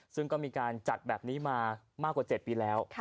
ซึ่งก็มีการจัดแบบนี้มามากกว่า๗ปีแล้ว